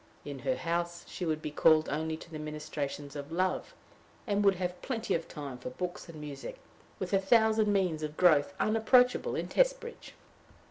In her house she would be called only to the ministrations of love, and would have plenty of time for books and music, with a thousand means of growth unapproachable in Testbridge.